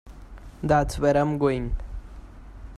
That's where I'm going.